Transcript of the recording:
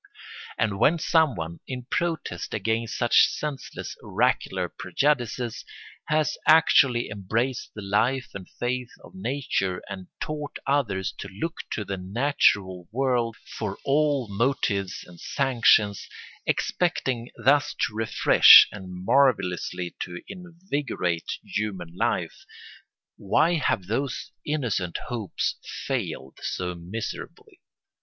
And when someone, in protest against such senseless oracular prejudices, has actually embraced the life and faith of nature and taught others to look to the natural world for all motives and sanctions, expecting thus to refresh and marvellously to invigorate human life, why have those innocent hopes failed so miserably?